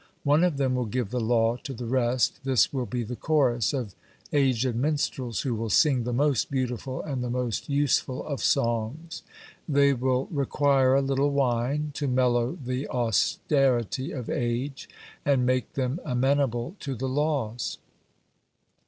One of them will give the law to the rest; this will be the chorus of aged minstrels, who will sing the most beautiful and the most useful of songs. They will require a little wine, to mellow the austerity of age, and make them amenable to the laws.